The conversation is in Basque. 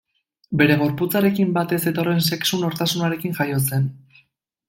Bere gorputzarekin bat ez zetorren sexu nortasunarekin jaio zen.